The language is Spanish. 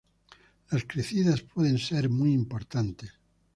Las crecidas pueden ser muy importantes.